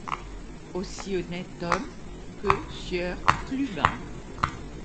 Aussi honnête homme que sieur Clubin.